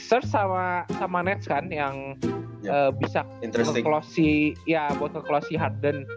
enam ers sama nets kan yang bisa ngeclose si harden